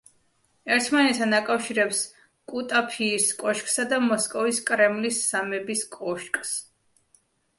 ერთმანეთთან აკავშირებს კუტაფიის კოშკსა და მოსკოვის კრემლის სამების კოშკს.